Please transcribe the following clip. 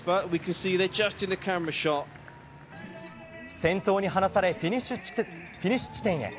先頭に離されフィニッシュ地点へ。